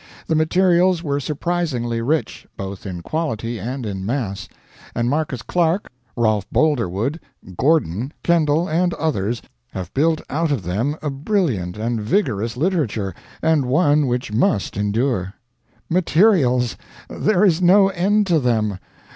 The materials were surprisingly rich, both in quality and in mass, and Marcus Clarke, Rolph Boldrewood, Gordon, Kendall, and the others, have built out of them a brilliant and vigorous literature, and one which must endure. Materials there is no end to them!